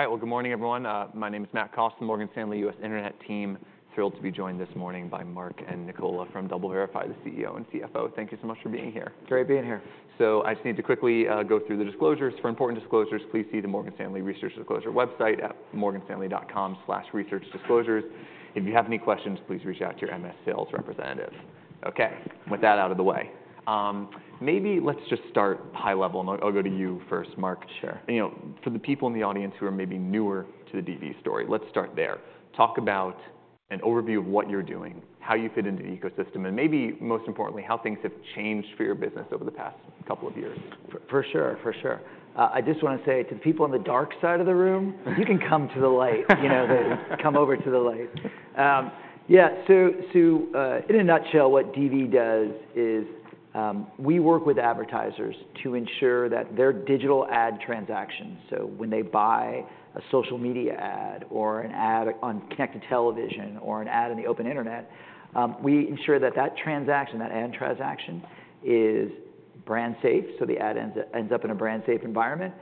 All right, well, good morning, everyone. My name is Matt Cost, Morgan Stanley U.S. Internet team. Thrilled to be joined this morning by Mark and Nicola from DoubleVerify, the CEO and CFO. Thank you so much for being here. Great being here. So I just need to quickly go through the disclosures. For important disclosures, please see the Morgan Stanley Research Disclosure website at morganstanley.com/researchdisclosures. If you have any questions, please reach out to your MS sales representative. Okay, with that out of the way, maybe let's just start high level, and I'll go to you first, Mark. Sure. You know, for the people in the audience who are maybe newer to the DV story, let's start there. Talk about an overview of what you're doing, how you fit into the ecosystem, and maybe most importantly, how things have changed for your business over the past couple of years. For sure, for sure. I just wanna say to the people on the dark side of the room, you can come to the light, you know, come over to the light. Yeah, so, in a nutshell, what DV does is, we work with advertisers to ensure that their digital ad transactions—so when they buy a social media ad or an ad on connected television or an ad on the open internet—we ensure that that transaction, that ad transaction, is brand safe, so the ad ends up in a brand safe environment.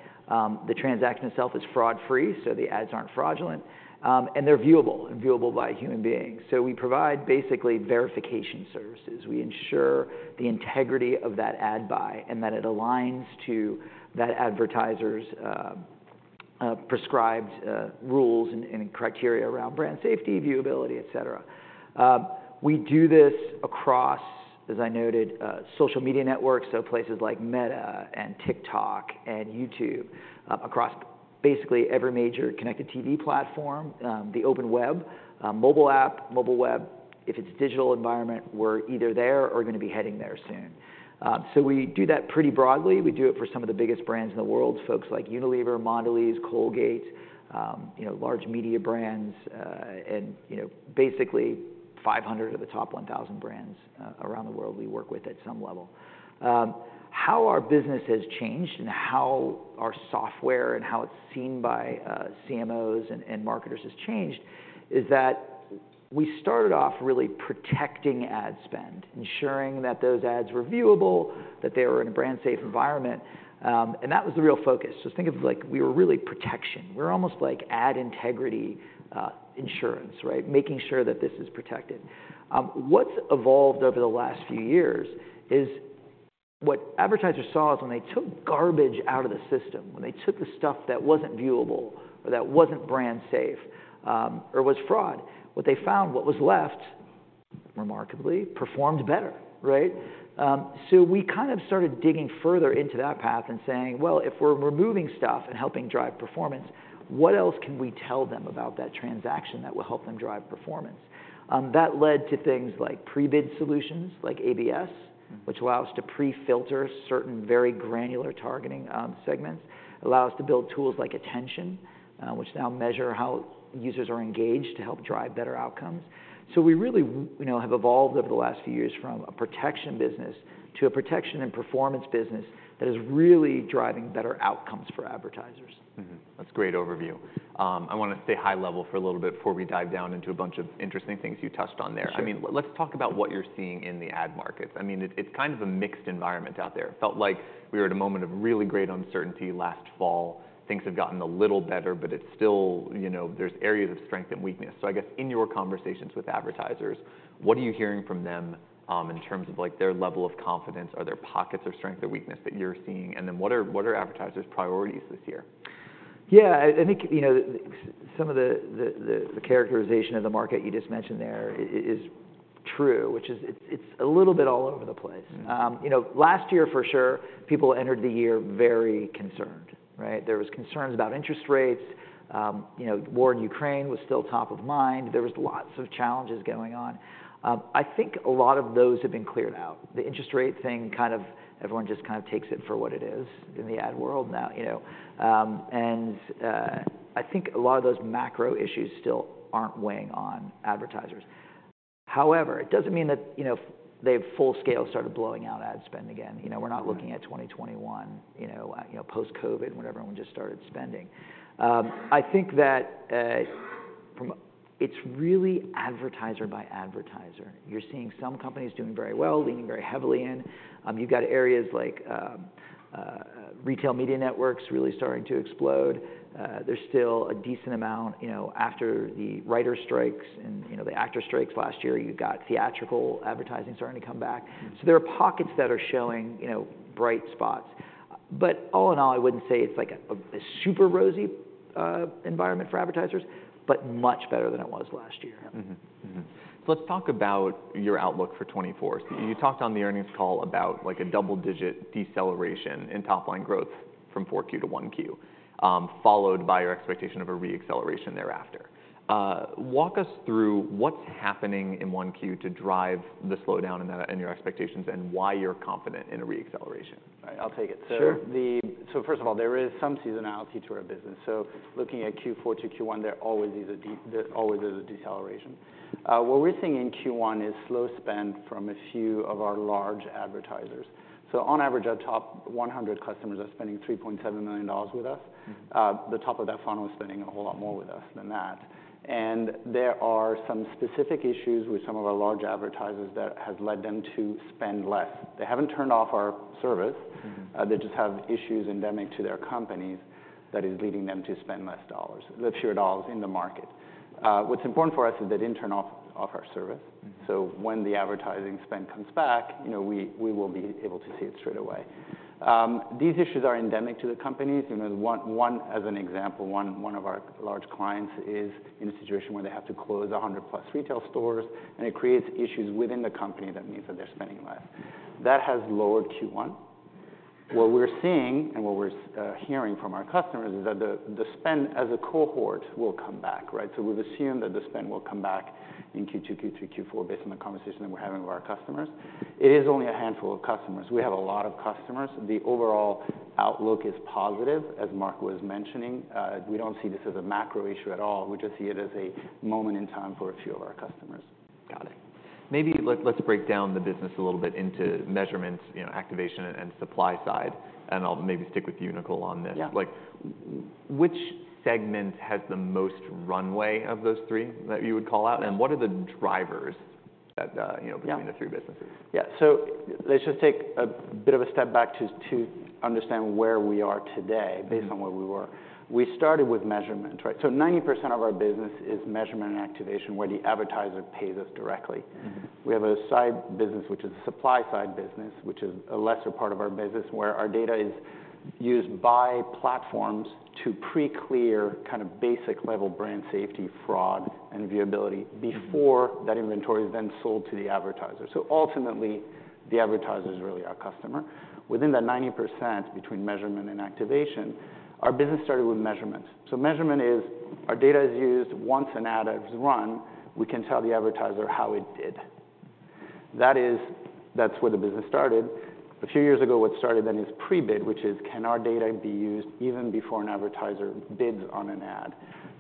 The transaction itself is fraud-free, so the ads aren't fraudulent. They're viewable, viewable by human beings. We provide basically verification services. We ensure the integrity of that ad buy and that it aligns to that advertiser's prescribed rules and criteria around brand safety, viewability, etc. We do this across, as I noted, social media networks, so places like Meta and TikTok and YouTube, across basically every major connected TV platform, the open web, mobile app, mobile web. If it's a digital environment, we're either there or gonna be heading there soon. So we do that pretty broadly. We do it for some of the biggest brands in the world, folks like Unilever, Mondelēz, Colgate, you know, large media brands, and, you know, basically 500 of the top 1,000 brands, around the world we work with at some level. How our business has changed and how our software and how it's seen by CMOs and marketers has changed is that we started off really protecting ad spend, ensuring that those ads were viewable, that they were in a brand-safe environment. That was the real focus. So think of it like we were really protection. We're almost like ad integrity, insurance, right, making sure that this is protected. What's evolved over the last few years is what advertisers saw is when they took garbage out of the system, when they took the stuff that wasn't viewable or that wasn't brand safe, or was fraud, what they found, what was left, remarkably, performed better, right? So we kind of started digging further into that path and saying, "Well, if we're removing stuff and helping drive performance, what else can we tell them about that transaction that will help them drive performance?" That led to things like pre-bid solutions, like ABS, which allow us to pre-filter certain very granular targeting, segments, allow us to build tools like attention, which now measure how users are engaged to help drive better outcomes. We really, you know, have evolved over the last few years from a protection business to a protection and performance business that is really driving better outcomes for advertisers. Mm-hmm. That's a great overview. I wanna stay high level for a little bit before we dive down into a bunch of interesting things you touched on there. Sure. I mean, let's talk about what you're seeing in the ad markets. I mean, it's kind of a mixed environment out there. It felt like we were at a moment of really great uncertainty last fall. Things have gotten a little better, but it's still, you know, there's areas of strength and weakness. So I guess in your conversations with advertisers, what are you hearing from them, in terms of, like, their level of confidence, are there pockets of strength or weakness that you're seeing? And then what are, what are advertisers' priorities this year? Yeah, I think, you know, some of the characterization of the market you just mentioned there is true, which is it's a little bit all over the place. Mm-hmm. You know, last year for sure, people entered the year very concerned, right? There was concerns about interest rates. You know, war in Ukraine was still top of mind. There was lots of challenges going on. I think a lot of those have been cleared out. The interest rate thing kind of everyone just kind of takes it for what it is in the ad world now, you know. And, I think a lot of those macro issues still aren't weighing on advertisers. However, it doesn't mean that, you know, they've full scale started blowing out ad spend again. You know, we're not looking at 2021, you know, you know, post-COVID when everyone just started spending. I think that, from it's really advertiser by advertiser. You're seeing some companies doing very well, leaning very heavily in. You've got areas like, retail media networks really starting to explode. There's still a decent amount, you know, after the writer strikes and, you know, the actor strikes last year, you got theatrical advertising starting to come back. Mm-hmm. There are pockets that are showing, you know, bright spots. But all in all, I wouldn't say it's like a super rosy environment for advertisers, but much better than it was last year. Mm-hmm. Mm-hmm. So let's talk about your outlook for 2024. So you talked on the earnings call about, like, a double-digit deceleration in top-line growth from Q4 to Q1, followed by your expectation of a re-acceleration thereafter. Walk us through what's happening in Q1 to drive the slowdown in that in your expectations and why you're confident in a re-acceleration. All right, I'll take it. So. Sure. So first of all, there is some seasonality to our business. So looking at Q4 to Q1, there always is a deceleration. What we're seeing in Q1 is slow spend from a few of our large advertisers. So on average, our top 100 customers are spending $3.7 million with us. Mm-hmm. The top of that funnel is spending a whole lot more with us than that. There are some specific issues with some of our large advertisers that has led them to spend less. They haven't turned off our service. Mm-hmm. They just have issues endemic to their companies that is leading them to spend less dollars, fewer dollars in the market. What's important for us is they didn't turn off our service. Mm-hmm. So when the advertising spend comes back, you know, we, we will be able to see it straight away. These issues are endemic to the companies. You know, one as an example, one of our large clients is in a situation where they have to close 100-plus retail stores, and it creates issues within the company that means that they're spending less. That has lowered Q1. What we're seeing and what we're hearing from our customers is that the spend as a cohort will come back, right? So we've assumed that the spend will come back in Q2, Q3, Q4 based on the conversation that we're having with our customers. It is only a handful of customers. We have a lot of customers. The overall outlook is positive, as Mark was mentioning. We don't see this as a macro issue at all. We just see it as a moment in time for a few of our customers. Got it. Maybe let's break down the business a little bit into measurements, you know, activation and supply side. And I'll maybe stick with you, Nicola, on this. Yeah. Like, which segment has the most runway of those three that you would call out? And what are the drivers that, you know, between the three businesses? Yeah. Yeah. So let's just take a bit of a step back to understand where we are today based on where we were. We started with measurement, right? So 90% of our business is measurement and activation where the advertiser pays us directly. Mm-hmm. We have a supply-side business, which is a lesser part of our business where our data is used by platforms to pre-clear kind of basic level brand safety, fraud, and viewability before that inventory is then sold to the advertiser. So ultimately, the advertiser is really our customer. Within that 90% between measurement and activation, our business started with measurement. So measurement is our data is used once an ad is run. We can tell the advertiser how it did. That is, that's where the business started. A few years ago, what started then is pre-bid, which is, can our data be used even before an advertiser bids on an ad?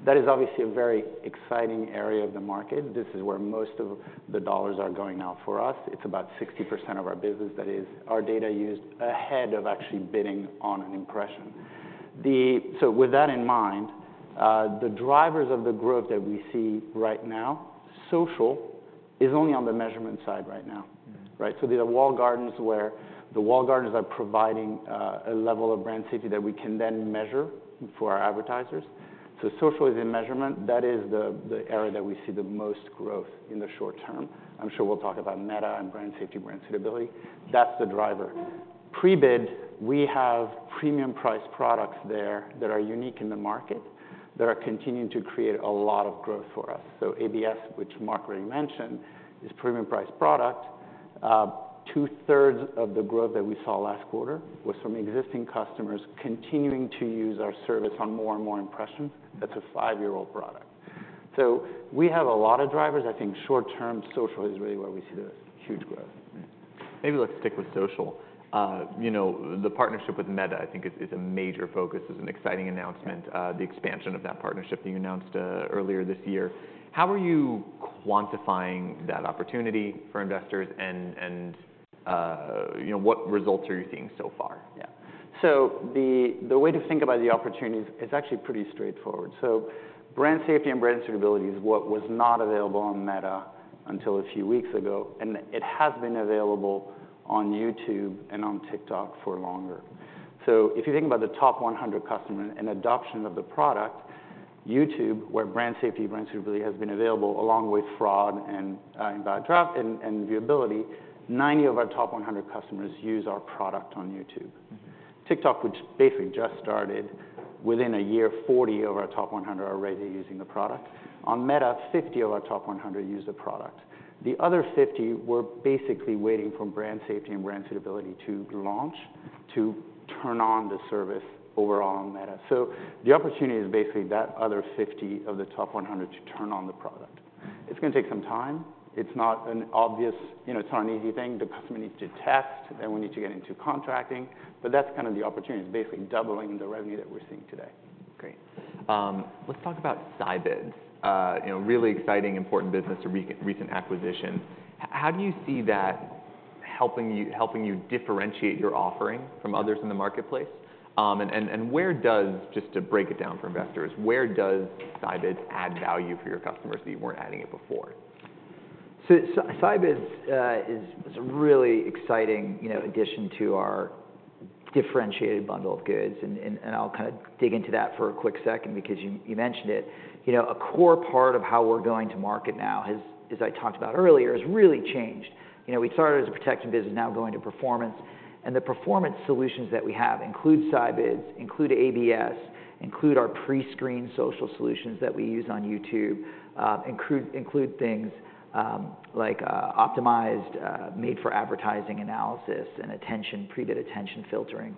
That is obviously a very exciting area of the market. This is where most of the dollars are going now for us. It's about 60% of our business that is our data used ahead of actually bidding on an impression. So with that in mind, the drivers of the growth that we see right now, social, is only on the measurement side right now, right? So these are walled gardens where the walled gardens are providing a level of brand safety that we can then measure for our advertisers. So social is in measurement. That is the area that we see the most growth in the short term. I'm sure we'll talk about Meta and brand safety, brand suitability. That's the driver. Pre-bid, we have premium-priced products there that are unique in the market that are continuing to create a lot of growth for us. So ABS, which Mark already mentioned, is a premium-priced product. Two-thirds of the growth that we saw last quarter was from existing customers continuing to use our service on more and more impressions. That's a 5-year-old product. So we have a lot of drivers. I think short-term, social is really where we see the huge growth. Mm-hmm. Maybe let's stick with social. You know, the partnership with Meta, I think, is a major focus. It was an exciting announcement, the expansion of that partnership that you announced earlier this year. How are you quantifying that opportunity for investors and, you know, what results are you seeing so far? Yeah. So the way to think about the opportunity is actually pretty straightforward. So brand safety and brand suitability is what was not available on Meta until a few weeks ago, and it has been available on YouTube and on TikTok for longer. So if you think about the top 100 customers and adoption of the product, YouTube, where brand safety, brand suitability has been available along with fraud and bad traffic and viewability, 90 of our top 100 customers use our product on YouTube. Mm-hmm. TikTok, which basically just started, within a year, 40 of our top 100 are already using the product. On Meta, 50 of our top 100 use the product. The other 50 were basically waiting for brand safety and brand suitability to launch to turn on the service overall on Meta. So the opportunity is basically that other 50 of the top 100 to turn on the product. It's gonna take some time. It's not an obvious you know, it's not an easy thing. The customer needs to test. Then we need to get into contracting. But that's kind of the opportunity. It's basically doubling the revenue that we're seeing today. Great. Let's talk about Scibids. You know, really exciting, important business, a recent acquisition. How do you see that helping you differentiate your offering from others in the marketplace? And where does, just to break it down for investors, where does Scibids add value for your customers that you weren't adding before? Scibids is a really exciting, you know, addition to our differentiated bundle of goods. I'll kind of dig into that for a quick second because you mentioned it. You know, a core part of how we're going to market now, as I talked about earlier, has really changed. You know, we started as a protection business, now going to performance. The performance solutions that we have include Scibids, include ABS, include our pre-screen social solutions that we use on YouTube, include things like optimized made-for-advertising analysis and attention, pre-bid attention filtering.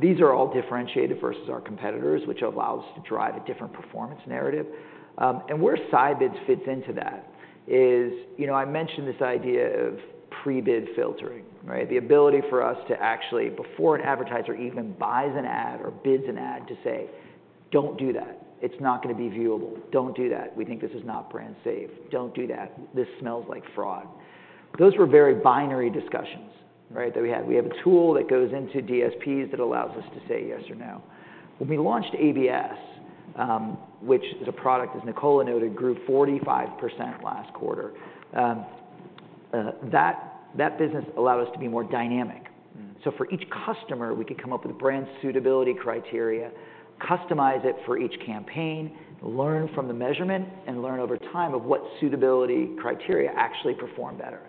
These are all differentiated versus our competitors, which allows us to drive a different performance narrative. Where Scibids fits into that is, you know, I mentioned this idea of pre-bid filtering, right? The ability for us to actually, before an advertiser even buys an ad or bids an ad, to say, "Don't do that. It's not gonna be viewable. Don't do that. We think this is not brand safe. Don't do that. This smells like fraud." Those were very binary discussions, right, that we had. We have a tool that goes into DSPs that allows us to say yes or no. When we launched ABS, which is a product, as Nicola noted, grew 45% last quarter. That business allowed us to be more dynamic. Mm-hmm. So for each customer, we could come up with a brand suitability criteria, customize it for each campaign, learn from the measurement, and learn over time of what suitability criteria actually perform better.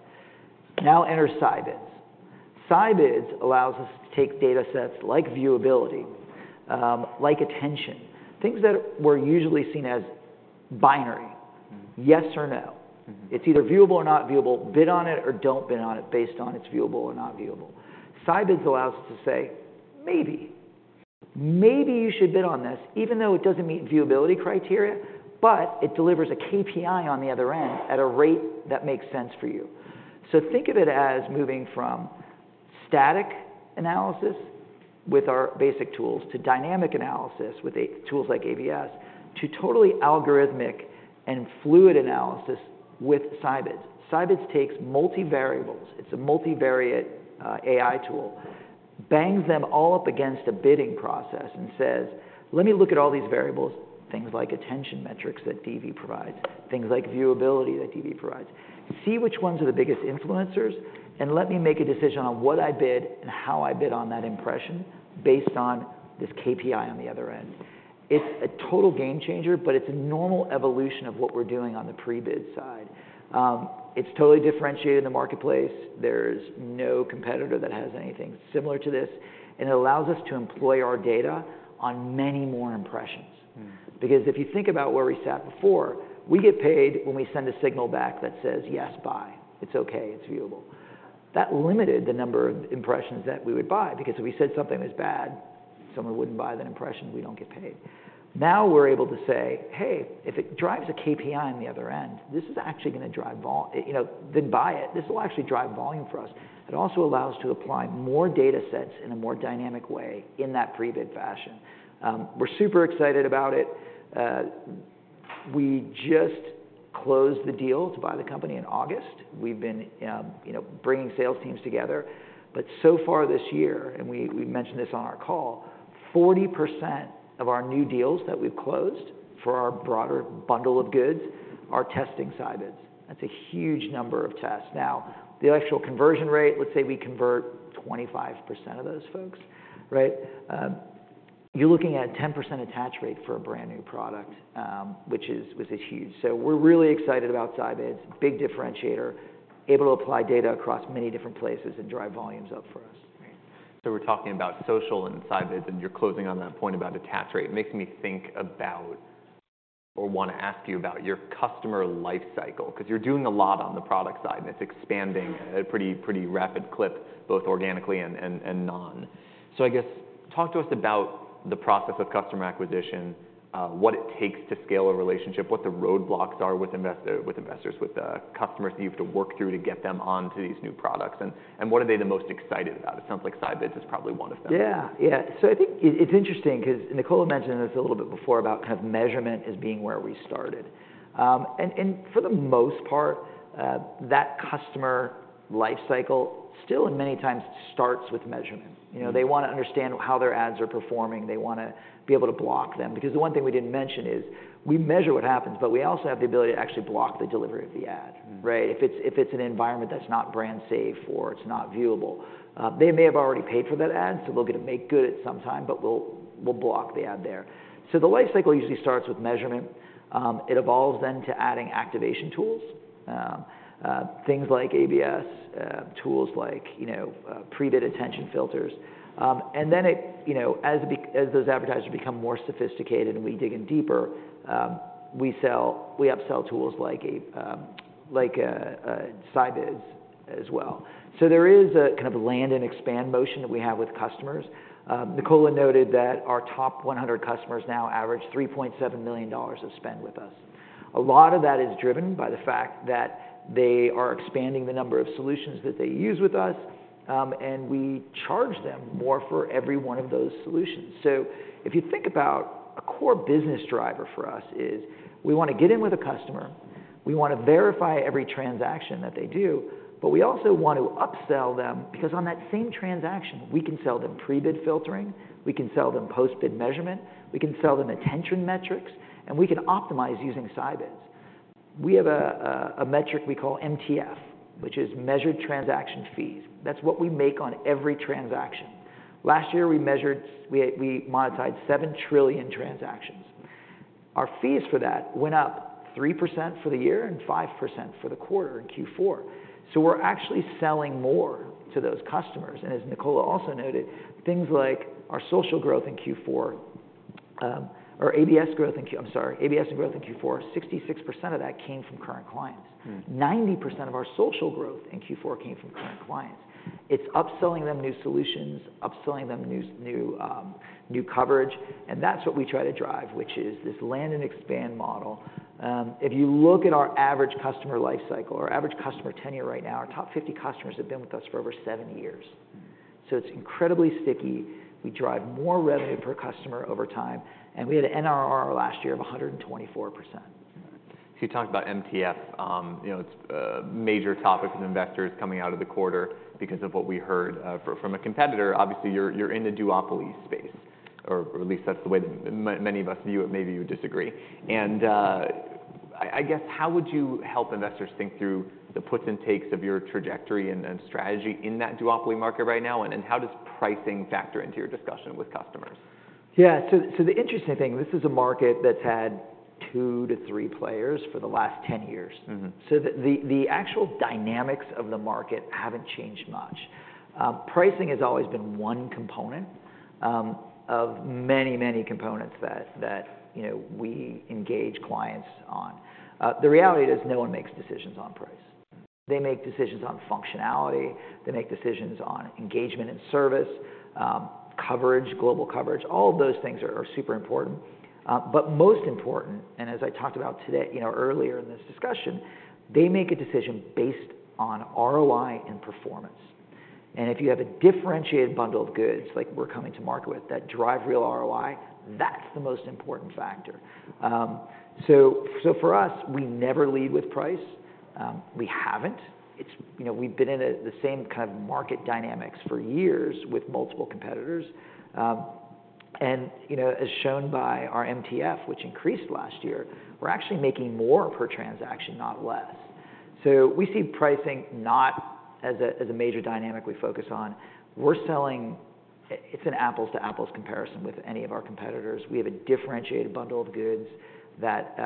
Now enter Scibids. Scibids allows us to take data sets like viewability, like attention, things that were usually seen as binary. Mm-hmm. Yes or no? Mm-hmm. It's either viewable or not viewable, bid on it or don't bid on it based on its viewable or not viewable. Scibids allow us to say, "Maybe. Maybe you should bid on this even though it doesn't meet viewability criteria, but it delivers a KPI on the other end at a rate that makes sense for you." So think of it as moving from static analysis with our basic tools to dynamic analysis with tools like ABS to totally algorithmic and fluid analysis with Scibids. Scibids takes multi-variables. It's a multi-variate, AI tool, bangs them all up against a bidding process, and says, "Let me look at all these variables, things like attention metrics that DV provides, things like viewability that DV provides. See which ones are the biggest influencers, and let me make a decision on what I bid and how I bid on that impression based on this KPI on the other end." It's a total game changer, but it's a normal evolution of what we're doing on the pre-bid side. It's totally differentiated in the marketplace. There's no competitor that has anything similar to this. And it allows us to employ our data on many more impressions. Mm-hmm. Because if you think about where we sat before, we get paid when we send a signal back that says, "Yes, buy. It's okay. It's viewable." That limited the number of impressions that we would buy because if we said something was bad, someone wouldn't buy that impression. We don't get paid. Now we're able to say, "Hey, if it drives a KPI on the other end, this is actually gonna drive volume, you know, then buy it. This will actually drive volume for us." It also allows us to apply more data sets in a more dynamic way in that pre-bid fashion. We're super excited about it. We just closed the deal to buy the company in August. We've been, you know, bringing sales teams together. But so far this year, and we, we mentioned this on our call, 40% of our new deals that we've closed for our broader bundle of goods are testing Scibids. That's a huge number of tests. Now, the actual conversion rate, let's say we convert 25% of those folks, right? You're looking at a 10% attach rate for a brand new product, which is, which is huge. So we're really excited about Scibids. Big differentiator, able to apply data across many different places and drive volumes up for us. Great. So we're talking about social and Scibids, and you're closing on that point about attach rate. It makes me think about or wanna ask you about your customer lifecycle 'cause you're doing a lot on the product side, and it's expanding at a pretty, pretty rapid clip both organically and, and, and non. So I guess talk to us about the process of customer acquisition, what it takes to scale a relationship, what the roadblocks are with investors, with customers that you have to work through to get them onto these new products, and what are they the most excited about? It sounds like Scibids is probably one of them. Yeah. Yeah. So I think it's interesting 'cause Nicola mentioned this a little bit before about kind of measurement as being where we started. And for the most part, that customer lifecycle still and many times starts with measurement. You know, they wanna understand how their ads are performing. They wanna be able to block them because the one thing we didn't mention is we measure what happens, but we also have the ability to actually block the delivery of the ad, right? If it's an environment that's not brand safe or it's not viewable, they may have already paid for that ad, so they'll get a makegood at some time, but we'll block the ad there. So the lifecycle usually starts with measurement. It evolves then to adding activation tools, things like ABS, tools like, you know, pre-bid attention filters. and then, you know, as those advertisers become more sophisticated and we dig in deeper, we upsell tools like, like, Scibids as well. So there is a kind of land-and-expand motion that we have with customers. Nicola noted that our top 100 customers now average $3.7 million of spend with us. A lot of that is driven by the fact that they are expanding the number of solutions that they use with us, and we charge them more for every one of those solutions. So if you think about a core business driver for us is we wanna get in with a customer. We wanna verify every transaction that they do, but we also wanna upsell them because on that same transaction, we can sell them pre-bid filtering. We can sell them post-bid measurement. We can sell them attention metrics. We can optimize using Scibids. We have a metric we call MTF, which is Measured Transaction Fees. That's what we make on every transaction. Last year, we measured and monetized 7 trillion transactions. Our fees for that went up 3% for the year and 5% for the quarter in Q4. So we're actually selling more to those customers. And as Nicola also noted, things like our social growth in Q4, or ABS growth in Q—I'm sorry. ABS and growth in Q4, 66% of that came from current clients. Mm-hmm. 90% of our social growth in Q4 came from current clients. It's upselling them new solutions, upselling them new, new, new coverage. That's what we try to drive, which is this land-and-expand model. If you look at our average customer lifecycle, our average customer tenure right now, our top 50 customers have been with us for over seven years. Mm-hmm. It's incredibly sticky. We drive more revenue per customer over time. We had an NRR last year of 124%. All right. So you talked about MTF. You know, it's a major topic with investors coming out of the quarter because of what we heard from a competitor. Obviously, you're in the Duopoly space, or at least that's the way that many of us view it. Maybe you would disagree. And I guess how would you help investors think through the puts and takes of your trajectory and strategy in that Duopoly market right now? And how does pricing factor into your discussion with customers? Yeah. So, the interesting thing, this is a market that's had 2-3 players for the last 10 years. Mm-hmm. So the actual dynamics of the market haven't changed much. Pricing has always been one component of many, many components that you know we engage clients on. The reality is no one makes decisions on price. They make decisions on functionality. They make decisions on engagement and service, coverage, global coverage. All of those things are super important. But most important - and as I talked about today, you know, earlier in this discussion - they make a decision based on ROI and performance. And if you have a differentiated bundle of goods like we're coming to market with that drive real ROI, that's the most important factor. So for us, we never lead with price. We haven't. It's you know we've been in the same kind of market dynamics for years with multiple competitors. You know, as shown by our MTF, which increased last year, we're actually making more per transaction, not less. So we see pricing not as a major dynamic we focus on. We're selling. It's an apples-to-apples comparison with any of our competitors. We have a differentiated bundle of goods that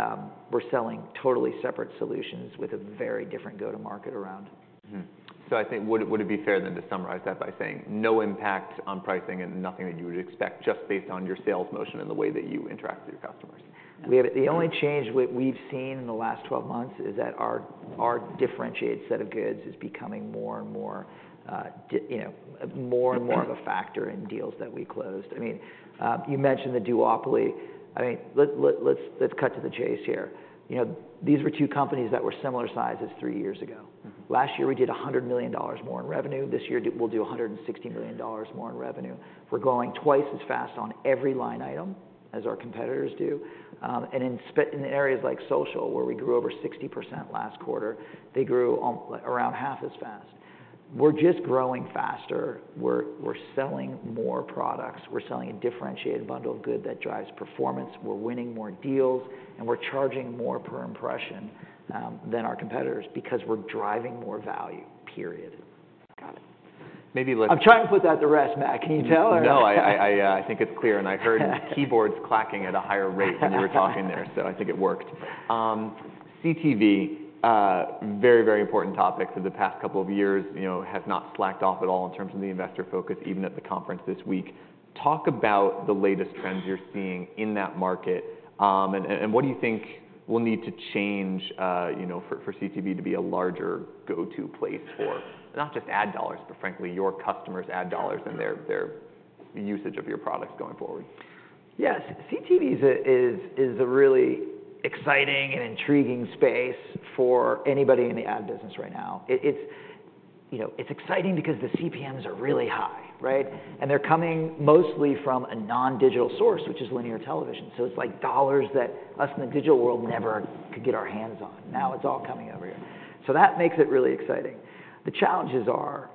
we're selling totally separate solutions with a very different go-to-market around. Mm-hmm. So I think would it be fair then to summarize that by saying no impact on pricing and nothing that you would expect just based on your sales motion and the way that you interact with your customers? We have the only change we've seen in the last 12 months is that our differentiated set of goods is becoming more and more, did you know, more and more of a factor in deals that we closed. I mean, you mentioned the Duopoly. I mean, let's cut to the chase here. You know, these were two companies that were similar sizes three years ago. Mm-hmm. Last year, we did $100 million more in revenue. This year, we'll do $160 million more in revenue. We're going twice as fast on every line item as our competitors do. And in areas like social where we grew over 60% last quarter, they grew only around half as fast. We're just growing faster. We're selling more products. We're selling a differentiated bundle of goods that drives performance. We're winning more deals, and we're charging more per impression than our competitors because we're driving more value, period. Got it. Maybe let's. I'm trying to put that to rest, Matt. Can you tell or? No. I think it's clear. And I heard keyboards clacking at a higher rate when you were talking there, so I think it worked. CTV, very, very important topic for the past couple of years, you know, has not slacked off at all in terms of the investor focus even at the conference this week. Talk about the latest trends you're seeing in that market, and what do you think will need to change, you know, for CTV to be a larger go-to place for not just ad dollars, but frankly, your customers' ad dollars and their usage of your products going forward? Yeah. CTV is a really exciting and intriguing space for anybody in the ad business right now. It's you know, it's exciting because the CPMs are really high, right? And they're coming mostly from a non-digital source, which is linear television. So it's like dollars that us in the digital world never could get our hands on. Now it's all coming over here. So that makes it really exciting. The challenges are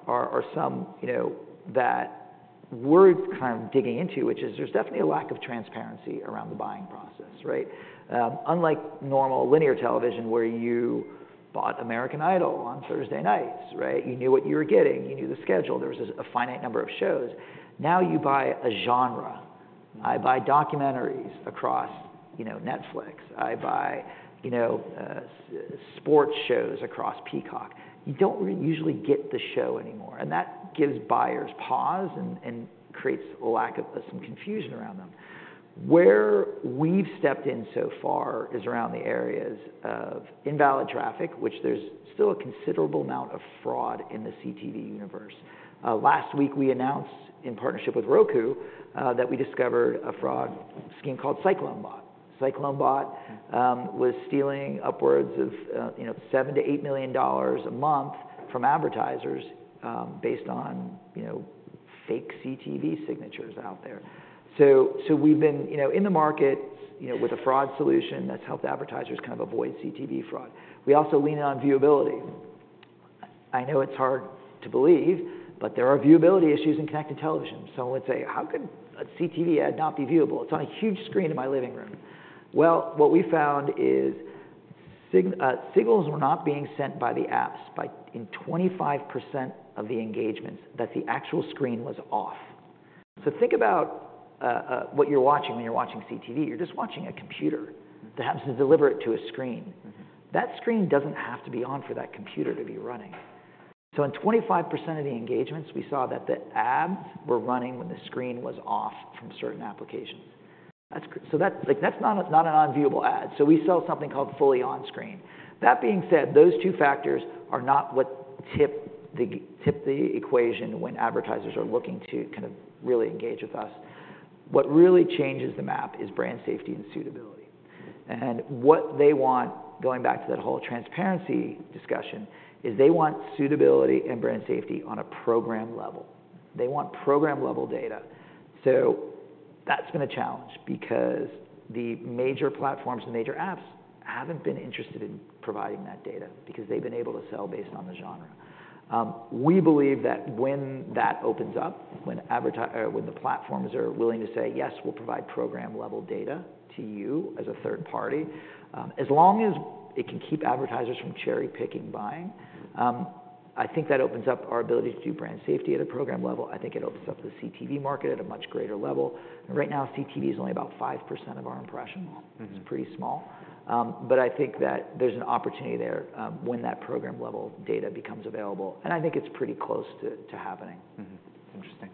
some, you know, that we're kind of digging into, which is there's definitely a lack of transparency around the buying process, right? Unlike normal linear television where you bought American Idol on Thursday nights, right? You knew what you were getting. You knew the schedule. There was a finite number of shows. Now you buy a genre. Mm-hmm. I buy documentaries across, you know, Netflix. I buy, you know, sports shows across Peacock. You don't really usually get the show anymore. And that gives buyers pause and creates a lack of some confusion around them. Where we've stepped in so far is around the areas of invalid traffic, which there's still a considerable amount of fraud in the CTV universe. Last week, we announced in partnership with Roku, that we discovered a fraud scheme called CycloneBot. CycloneBot was stealing upwards of, you know, $7-$8 million a month from advertisers, based on, you know, fake CTV signatures out there. So we've been, you know, in the markets, you know, with a fraud solution that's helped advertisers kind of avoid CTV fraud. We also leaned on viewability. I know it's hard to believe, but there are viewability issues in connected television. Someone would say, "How could a CTV ad not be viewable? It's on a huge screen in my living room." Well, what we found is signals were not being sent by the apps in 25% of the engagements that the actual screen was off. So think about what you're watching when you're watching CTV. You're just watching a computer that happens to deliver it to a screen. Mm-hmm. That screen doesn't have to be on for that computer to be running. So in 25% of the engagements, we saw that the ads were running when the screen was off from certain applications. That's so that's like, that's not an unviewable ad. So we sell something called Fully On-Screen. That being said, those two factors are not what tip the equation when advertisers are looking to kind of really engage with us. What really changes the map is brand safety and suitability. And what they want going back to that whole transparency discussion is they want suitability and brand safety on a program level. They want program-level data. So that's been a challenge because the major platforms and major apps haven't been interested in providing that data because they've been able to sell based on the genre. We believe that when that opens up, when the platforms are willing to say, "Yes, we'll provide program-level data to you as a third party," as long as it can keep advertisers from cherry-picking buying, I think that opens up our ability to do brand safety at a program level. I think it opens up the CTV market at a much greater level. And right now, CTV is only about 5% of our impression. Mm-hmm. It's pretty small. But I think that there's an opportunity there, when that program-level data becomes available. And I think it's pretty close to happening. Mm-hmm. Interesting.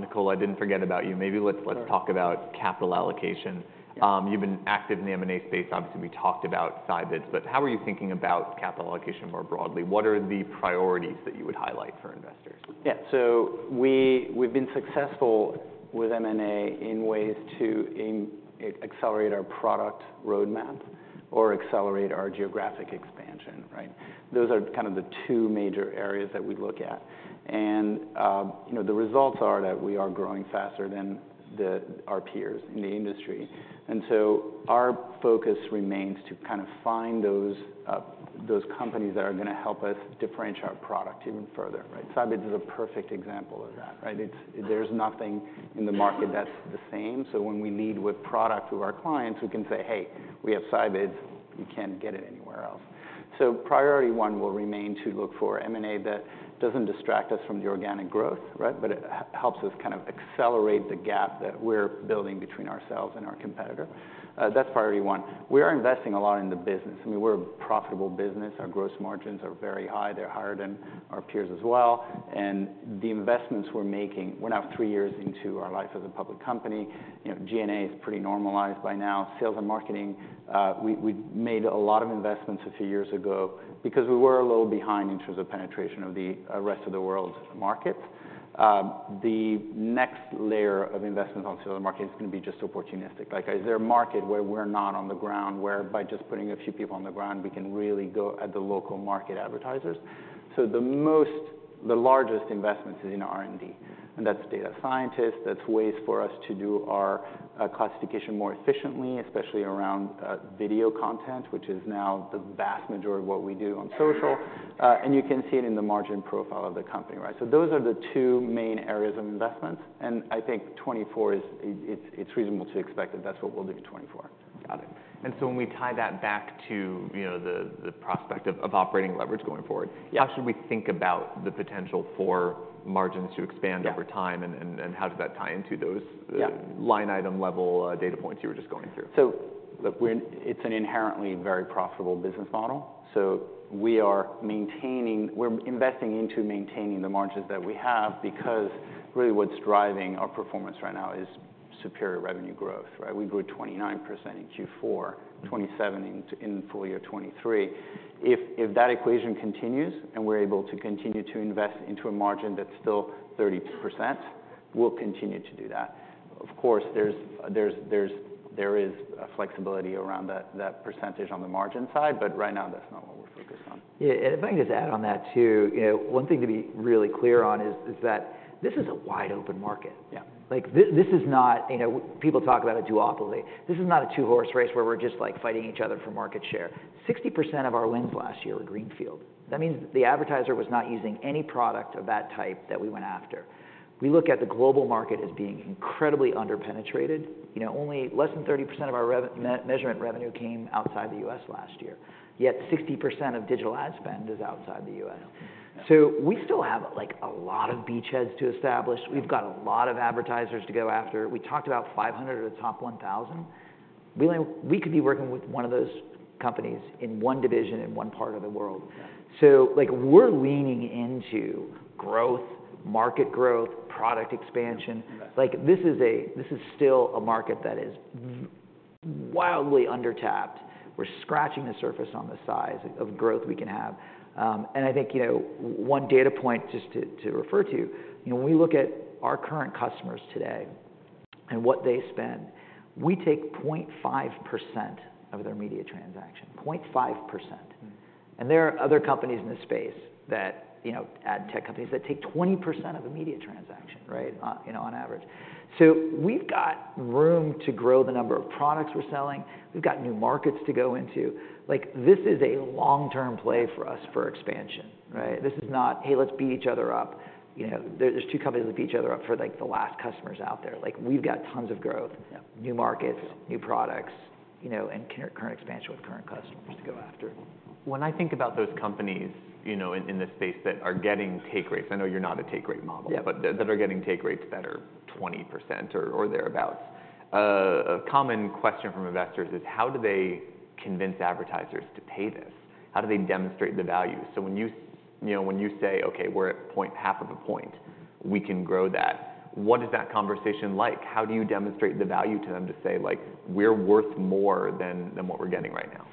Nicola, I didn't forget about you. Maybe let's, let's talk about capital allocation. Yeah. You've been active in the M&A space. Obviously, we talked about Scibids, but how are you thinking about capital allocation more broadly? What are the priorities that you would highlight for investors? Yeah. So we've been successful with M&A in ways to aim accelerate our product roadmap or accelerate our geographic expansion, right? Those are kind of the two major areas that we look at. And, you know, the results are that we are growing faster than our peers in the industry. And so our focus remains to kind of find those companies that are gonna help us differentiate our product even further, right? Scibids is a perfect example of that, right? There's nothing in the market that's the same. So when we lead with product to our clients, we can say, "Hey, we have Scibids. You can't get it anywhere else." So priority one will remain to look for M&A that doesn't distract us from the organic growth, right, but it helps us kind of accelerate the gap that we're building between ourselves and our competitor. That's priority one. We are investing a lot in the business. I mean, we're a profitable business. Our gross margins are very high. They're higher than our peers as well. And the investments we're making we're now three years into our life as a public company. You know, G&A is pretty normalized by now. Sales and marketing, we made a lot of investments a few years ago because we were a little behind in terms of penetration of the rest of the world's markets. The next layer of investments on sales and marketing is gonna be just opportunistic. Like, is there a market where we're not on the ground, where by just putting a few people on the ground, we can really go at the local market advertisers? So the most the largest investment is in R&D. And that's data scientists. That's ways for us to do our classification more efficiently, especially around video content, which is now the vast majority of what we do on social. You can see it in the margin profile of the company, right? So those are the two main areas of investments. And I think 2024 is. It's reasonable to expect that that's what we'll do in 2024. Got it. And so when we tie that back to, you know, the prospect of operating leverage going forward. Yeah. How should we think about the potential for margins to expand over time? Yeah. How does that tie into those, Yeah. Line item level, data points you were just going through? So look, we're in. It's an inherently very profitable business model. So we are maintaining. We're investing into maintaining the margins that we have because really what's driving our performance right now is superior revenue growth, right? We grew 29% in Q4, 27% in the full year 2023. If that equation continues and we're able to continue to invest into a margin that's still 30%, we'll continue to do that. Of course, there is flexibility around that percentage on the margin side, but right now, that's not what we're focused on. Yeah. If I can just add on that too, you know, one thing to be really clear on is that this is a wide-open market. Yeah. Like, this is not you know, people talk about a duopoly. This is not a two-horse race where we're just, like, fighting each other for market share. 60% of our wins last year were greenfield. That means the advertiser was not using any product of that type that we went after. We look at the global market as being incredibly underpenetrated. You know, only less than 30% of our measurement revenue came outside the U.S. last year. Yet, 60% of digital ad spend is outside the U.S. Mm-hmm. So we still have, like, a lot of beachheads to establish. We've got a lot of advertisers to go after. We talked about 500 of the top 1,000. We only could be working with one of those companies in one division in one part of the world. Yeah. Like, we're leaning into growth, market growth, product expansion. Investing. Like, this is still a market that is very wildly undertapped. We're scratching the surface on the size of growth we can have. I think, you know, one data point just to refer to, you know, when we look at our current customers today and what they spend, we take 0.5% of their media transaction, 0.5%. Mm-hmm. And there are other companies in this space that, you know, ad tech companies that take 20% of a media transaction, right, on you know, on average. So we've got room to grow the number of products we're selling. We've got new markets to go into. Like, this is a long-term play for us for expansion, right? This is not, "Hey, let's beat each other up." You know, there's two companies that beat each other up for, like, the last customers out there. Like, we've got tons of growth. Yeah. New markets. Yeah. New products, you know, and current expansion with current customers to go after. When I think about those companies, you know, in this space that are getting take rates, I know you're not a take-rate model. Yeah. But that are getting take rates that are 20% or thereabouts. A common question from investors is, "How do they convince advertisers to pay this? How do they demonstrate the value?" So when you know, when you say, "Okay. We're at 0.5 of a point. We can grow that," what is that conversation like? How do you demonstrate the value to them to say, like, "We're worth more than what we're getting right now"?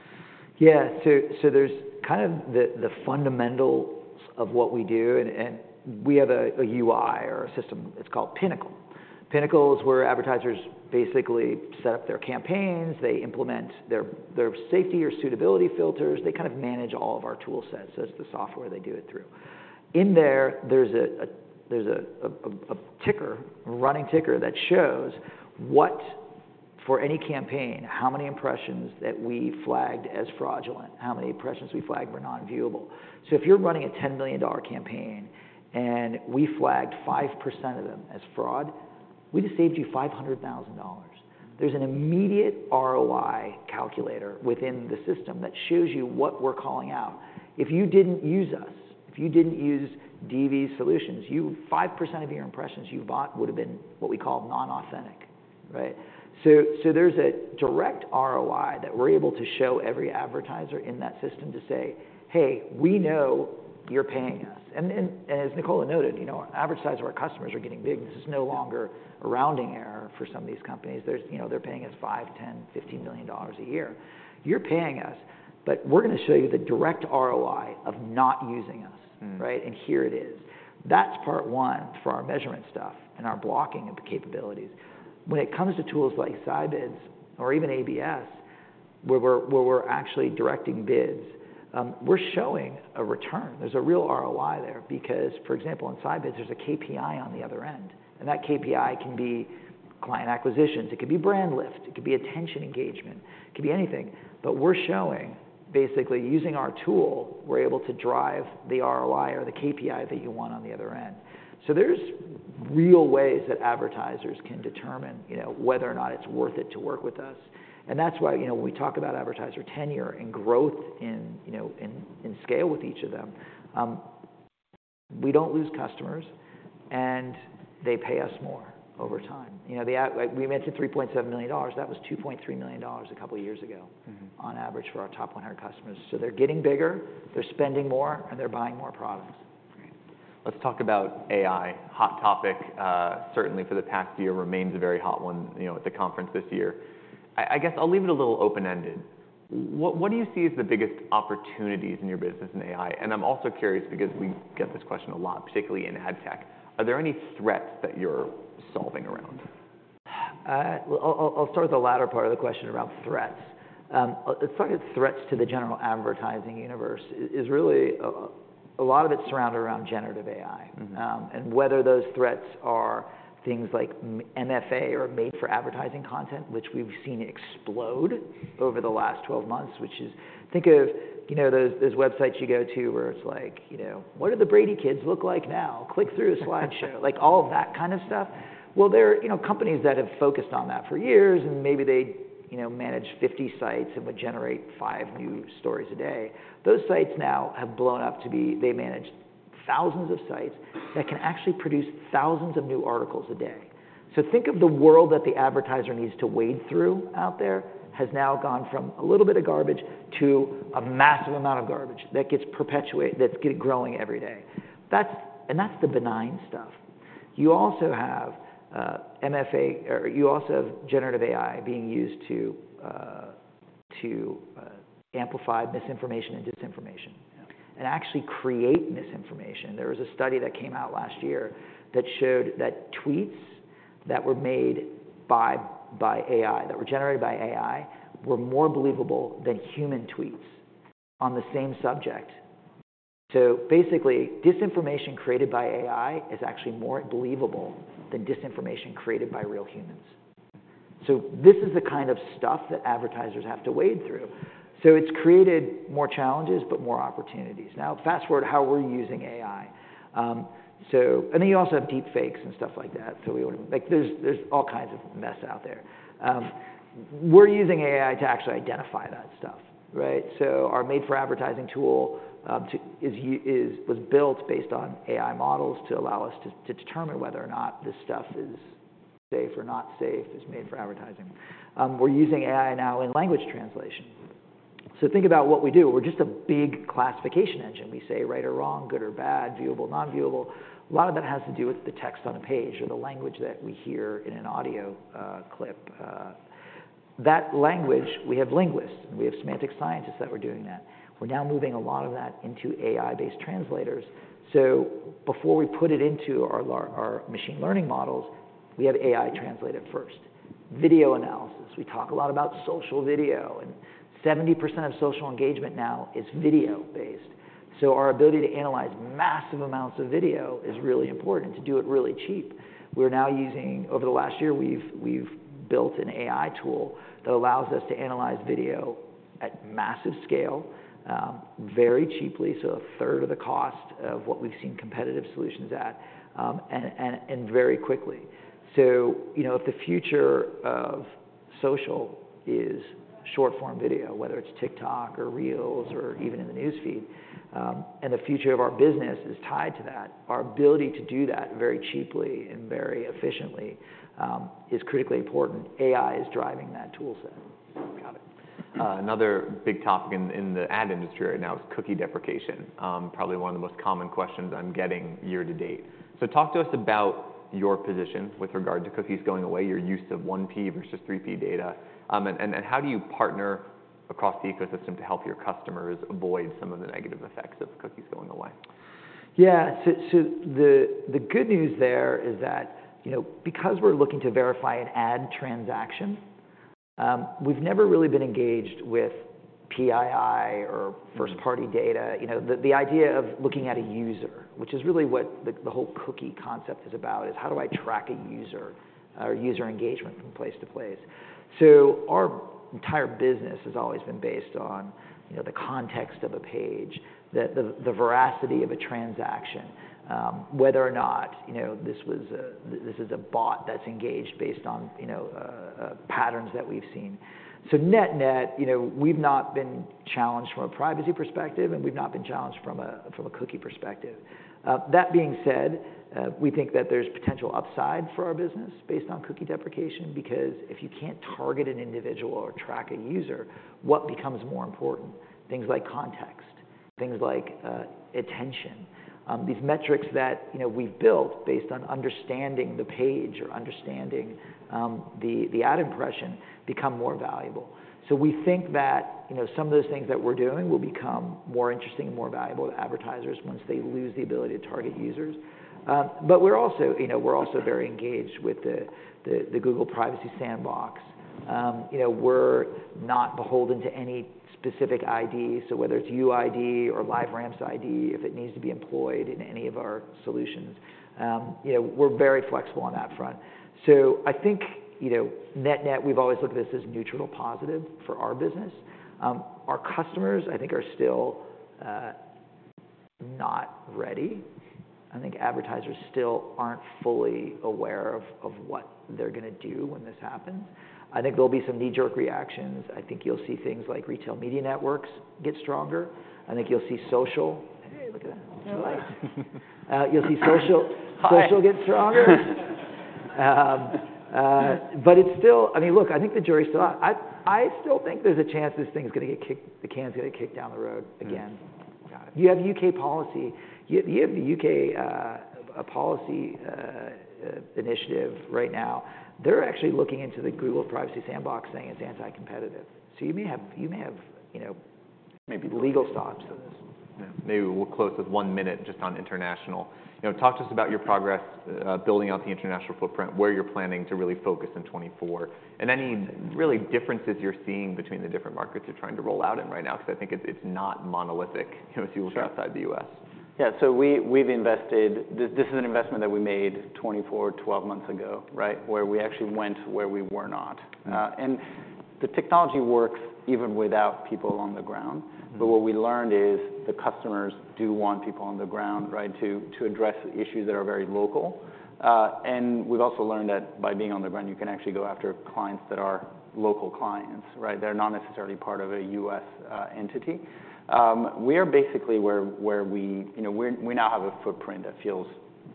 Yeah. So there's kind of the fundamentals of what we do. And we have a UI or a system. It's called Pinnacle. Pinnacle is where advertisers basically set up their campaigns. They implement their safety or suitability filters. They kind of manage all of our tool sets. That's the software they do it through. In there, there's a ticker, a running ticker that shows, for any campaign, how many impressions that we flagged as fraudulent, how many impressions we flagged were nonviewable. So if you're running a $10 million campaign and we flagged 5% of them as fraud, we just saved you $500,000. There's an immediate ROI calculator within the system that shows you what we're calling out. If you didn't use us, if you didn't use DV's solutions, 5% of your impressions you bought would have been what we call non-authentic, right? So there's a direct ROI that we're able to show every advertiser in that system to say, "Hey, we know you're paying us." And as Nicola noted, you know, our advertisers, our customers are getting big. This is no longer a rounding error for some of these companies. There's, you know, they're paying us $5 million, $10 million, $15 million a year. You're paying us, but we're gonna show you the direct ROI of not using us. Mm-hmm. Right? And here it is. That's part one for our measurement stuff and our blocking of the capabilities. When it comes to tools like Scibids or even ABS, where we're actually directing bids, we're showing a return. There's a real ROI there because, for example, in Scibids, there's a KPI on the other end. And that KPI can be client acquisitions. It could be brand lift. It could be attention engagement. It could be anything. But we're showing, basically, using our tool, we're able to drive the ROI or the KPI that you want on the other end. So there's real ways that advertisers can determine, you know, whether or not it's worth it to work with us. And that's why, you know, we talk about advertiser tenure and growth in, you know, scale with each of them. We don't lose customers, and they pay us more over time. You know, we mentioned $3.7 million. That was $2.3 million a couple of years ago. Mm-hmm. On average for our top 100 customers. So they're getting bigger. They're spending more, and they're buying more products. Great. Let's talk about AI. Hot topic, certainly for the past year, remains a very hot one, you know, at the conference this year. I guess I'll leave it a little open-ended. What do you see as the biggest opportunities in your business in AI? And I'm also curious because we get this question a lot, particularly in ad tech. Are there any threats that you're solving around? Well, I'll start with the latter part of the question around threats. Let's start with threats to the general advertising universe. It is really a lot of it's surrounded around generative AI. Mm-hmm. Whether those threats are things like MFA or made-for-advertising content, which we've seen explode over the last 12 months, which is, think of, you know, those, those websites you go to where it's like, you know, "What do the Brady kids look like now? Click through a slideshow." Like, all of that kind of stuff. Well, there are, you know, companies that have focused on that for years, and maybe they, you know, manage 50 sites and would generate 5 new stories a day. Those sites now have blown up to be they manage thousands of sites that can actually produce thousands of new articles a day. So think of the world that the advertiser needs to wade through out there has now gone from a little bit of garbage to a massive amount of garbage that gets perpetuated that's getting growing every day. That's, and that's the benign stuff. You also have MFA, or you also have generative AI being used to amplify misinformation and disinformation. Yeah. And actually create misinformation. There was a study that came out last year that showed that tweets that were made by AI, that were generated by AI, were more believable than human tweets on the same subject. So basically, disinformation created by AI is actually more believable than disinformation created by real humans. So this is the kind of stuff that advertisers have to wade through. So it's created more challenges but more opportunities. Now, fast forward how we're using AI. And then you also have deepfakes and stuff like that. So we would like, there's all kinds of mess out there. We're using AI to actually identify that stuff, right? So our made-for-advertising tool too is one that was built based on AI models to allow us to determine whether or not this stuff is safe or not safe, is made-for-advertising. We're using AI now in language translation. So think about what we do. We're just a big classification engine. We say right or wrong, good or bad, viewable, non-viewable. A lot of that has to do with the text on a page or the language that we hear in an audio clip. That language we have linguists, and we have semantic scientists that we're doing that. We're now moving a lot of that into AI-based translators. So before we put it into our la our machine learning models, we have AI translate it first. Video analysis. We talk a lot about social video, and 70% of social engagement now is video-based. So our ability to analyze massive amounts of video is really important to do it really cheap. We're now using over the last year, we've built an AI tool that allows us to analyze video at massive scale, very cheaply, so a third of the cost of what we've seen competitive solutions at, and very quickly. So, you know, if the future of social is short-form video, whether it's TikTok or Reels or even in the newsfeed, and the future of our business is tied to that, our ability to do that very cheaply and very efficiently is critically important. AI is driving that tool set. Got it. Another big topic in the ad industry right now is cookie deprecation, probably one of the most common questions I'm getting year to date. So talk to us about your position with regard to cookies going away, your use of 1P versus 3P data, and how do you partner across the ecosystem to help your customers avoid some of the negative effects of cookies going away? Yeah. So, the good news there is that, you know, because we're looking to verify an ad transaction, we've never really been engaged with PII or first-party data. You know, the idea of looking at a user, which is really what the whole cookie concept is about, is how do I track a user, or user engagement from place to place? So our entire business has always been based on, you know, the context of a page, the veracity of a transaction, whether or not, you know, this is a bot that's engaged based on, you know, patterns that we've seen. So net-net, you know, we've not been challenged from a privacy perspective, and we've not been challenged from a cookie perspective. That being said, we think that there's potential upside for our business based on Cookie Deprecation because if you can't target an individual or track a user, what becomes more important? Things like context, things like attention, these metrics that, you know, we've built based on understanding the page or understanding the ad impression become more valuable. So we think that, you know, some of those things that we're doing will become more interesting and more valuable to advertisers once they lose the ability to target users. But we're also, you know, we're also very engaged with the Google Privacy Sandbox. You know, we're not beholden to any specific ID. So whether it's UID or LiveRamp's ID, if it needs to be employed in any of our solutions, you know, we're very flexible on that front. So I think, you know, net-net, we've always looked at this as neutral to positive for our business. Our customers, I think, are still not ready. I think advertisers still aren't fully aware of what they're gonna do when this happens. I think there'll be some knee-jerk reactions. I think you'll see things like retail media networks get stronger. I think you'll see social. Hey, look at that. It's light. You'll see social. Hi. Social get stronger. But it's still, I mean, look, I think the jury's still out. I still think there's a chance this thing's gonna get kicked the can's gonna get kicked down the road again. Got it. You have the UK policy initiative right now. They're actually looking into the Google Privacy Sandbox, saying it's anti-competitive. So you may have, you know. Maybe legal. Legal stops to this. Yeah. Maybe we'll close with one minute just on international. You know, talk to us about your progress, building out the international footprint, where you're planning to really focus in 2024, and any real differences you're seeing between the different markets you're trying to roll out in right now 'cause I think it's not monolithic, you know, as you look outside the U.S. Yeah. Yeah. So we, we've invested this, this is an investment that we made 2024, 12 months ago, right, where we actually went where we were not. Mm-hmm. The technology works even without people on the ground. Mm-hmm. But what we learned is the customers do want people on the ground, right, to address issues that are very local. And we've also learned that by being on the ground, you can actually go after clients that are local clients, right? They're not necessarily part of a US entity. We are basically where we, you know, now have a footprint that feels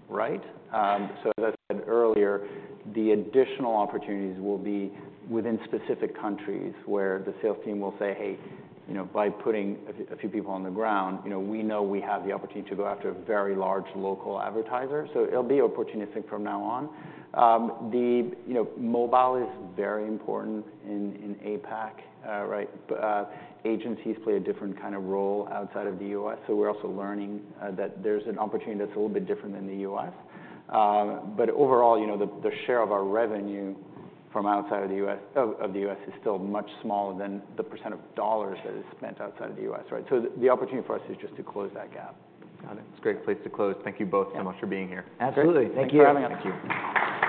right. So as I said earlier, the additional opportunities will be within specific countries where the sales team will say, "Hey, you know, by putting a few people on the ground, you know, we know we have the opportunity to go after a very large local advertiser." So it'll be opportunistic from now on. You know, mobile is very important in APAC, right? But agencies play a different kind of role outside of the US. So we're also learning that there's an opportunity that's a little bit different than the U.S., but overall, you know, the share of our revenue from outside of the U.S. is still much smaller than the percent of dollars that is spent outside of the U.S., right? So the opportunity for us is just to close that gap. Got it. It's a great place to close. Thank you both so much for being here. Absolutely. Thank you. Thank you. Thank you.